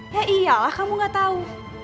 ya iyalah kamu gak tahu